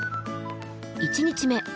１日目。